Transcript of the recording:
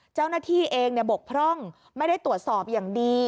เจ้าหน้าที่เองบกพร่องไม่ได้ตรวจสอบอย่างดี